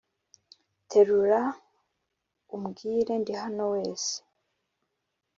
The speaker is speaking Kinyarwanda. terura umbwire ndi hano wese